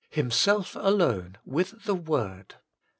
4. Himself Alone, with the Word.